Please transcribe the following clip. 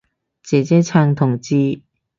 姐姐撐同志